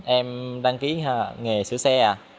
em đăng ký nghề sửa xe